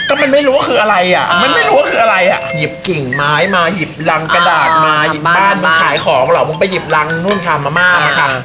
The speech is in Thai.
เม้ม้ายถ่ายมาหลำไว้หลงกระดาษมาหลำไปหลิบบ้านถ่ายของเขาไปหล้ำมะม่ามาครับ